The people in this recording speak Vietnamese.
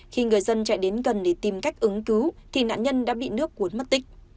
khi người dân chạy đến gần để tìm cách ứng cứu thì nạn nhân đã bị nước cuốn mất tích